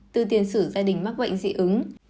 tư tiền sử gia đình mắc bệnh dị ứng